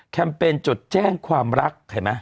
เปญจดแจ้งความรักเห็นไหม